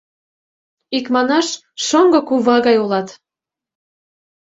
Икманаш, шоҥго кува гай улат.